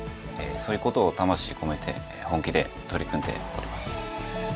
そういうことを魂込めて本気で取り組んでおります。